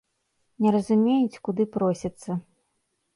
Не разумеюць, куды просяцца.